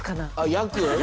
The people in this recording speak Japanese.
ヤク？